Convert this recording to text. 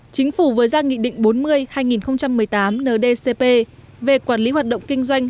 chính phủ vừa ra nghị định bốn mươi hai nghìn một mươi tám ndcp về quản lý hoạt động kinh doanh